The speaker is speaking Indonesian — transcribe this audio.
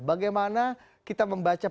bagaimana kita membaca